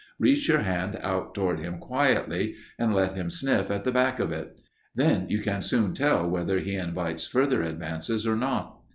Reach your hand out toward him quietly and let him sniff at the back of it. Then you can soon tell whether he invites further advances or not."